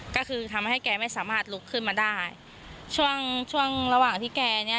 ก็คือทำให้แกไม่สามารถลุกขึ้นมาได้ช่วงช่วงระหว่างที่แกเนี้ย